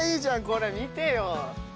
これ見てよ。